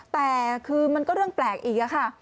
แต่คือมันก็เรื่องแปลกอีกค่ะ